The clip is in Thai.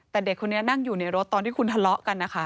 แต่เด็กคนนี้นั่งอยู่ในรถตอนที่คุณทะเลาะกันนะคะ